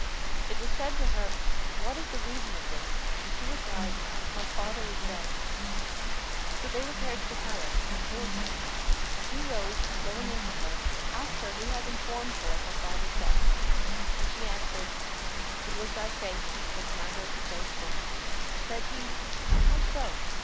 It was said to her, "What is the reason of this?"; and she replied, "My father is dead." So they repaired to the Caliph and told him and he rose and going in to her, asked her who had informed her of her father's death; and she answered "It was thy face, O Commander of the Faithful!" Said he, "How so?"